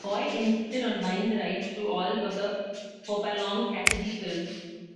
Boyd insisted on buying the rights to all of the Hopalong Cassidy films.